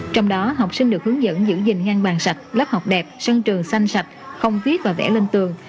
trong đó học sinh được hướng dẫn giữ gìn ngang bàn sạch lớp học đẹp sân trường xanh sạch không viết và vẽ lên tường